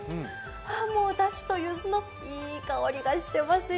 もう、だしとゆずのいい香りがしてますよ。